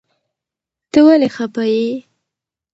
ته ولي خفه يي